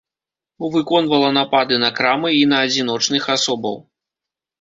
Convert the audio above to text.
Выконвала напады на крамы і на адзіночных асобаў.